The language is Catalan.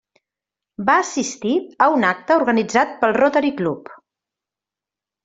Va assistir a un acte organitzat pel Rotary Club.